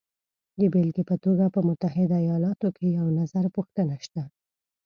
د بېلګې په توګه په متحده ایالاتو کې یو نظرپوښتنه شته